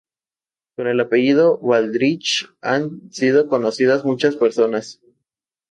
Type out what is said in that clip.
Con el apellido Baldrich han sido conocidas muchas personas.